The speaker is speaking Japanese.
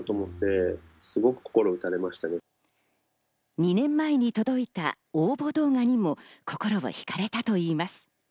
２年前に届いた応募動画にも心を引かれたといいます。